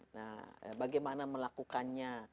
nah bagaimana melakukannya